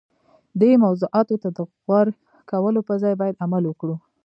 دې موضوعاتو ته د غور کولو پر ځای باید عمل وکړو.